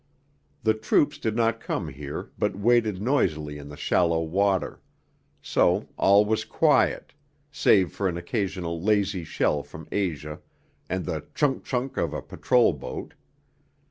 The troops did not come here but waded noisily in the shallow water; so all was quiet, save for an occasional lazy shell from Asia and the chunk chunk of a patrol boat.